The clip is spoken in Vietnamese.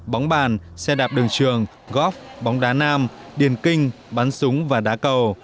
bóng bàn xe đạp đường trường góc bóng đá nam điền kinh bắn súng và đá cầu